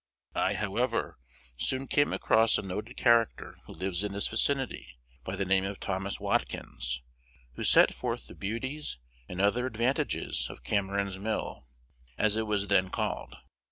I, however, soon came across a noted character who lives in this vicinity, by the name of Thomas Wadkins, who set forth the beauties and other advantages of Cameron's Mill, as it was then called.